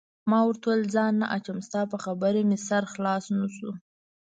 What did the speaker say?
ما ورته وویل: ځان نه اچوم، ستا په خبره مې سر خلاص نه شو.